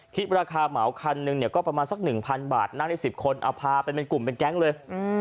คิดว่าราคาเหมาคันนึงก็ประมาณสัก๑๐๐๐บาทนั่งใน๑๐คนเอาพาเป็นกลุ่มเป็นแก๊งเลย